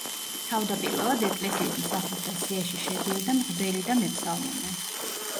თავდაპირველად ეკლესიის მსახურთა სიაში შედიოდა მღვდელი და მეფსალმუნე.